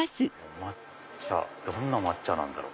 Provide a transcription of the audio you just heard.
どんな抹茶なんだろう？